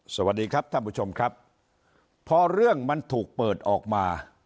สวัสดีครับท่านผู้ชมครับพอเรื่องมันถูกเปิดออกมา